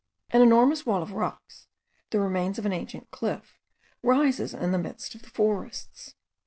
An enormous wall of rocks, the remains of an ancient cliff, rises in the midst of the forests.